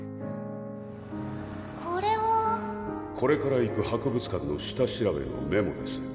これはこれから行く博物館の下調べのメモです